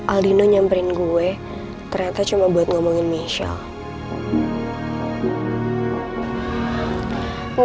aldino nyamperin gue ternyata cuma buat ngomongin michelle